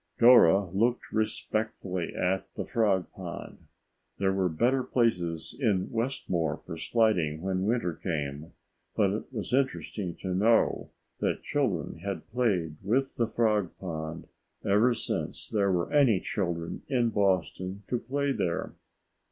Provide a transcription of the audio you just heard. Dora looked respectfully at the Frog Pond. There were better places in Westmore for sliding when winter came, but it was interesting to know that children had played with the Frog Pond ever since there were any children in Boston to play there.